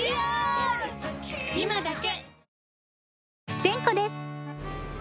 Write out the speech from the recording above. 今だけ！